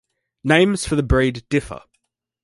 Names for the breed differ.